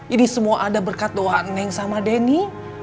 ini semua ada berkat doa neng sama denny